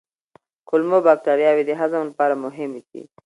کولمو بکتریاوې د هضم لپاره مهمې دي.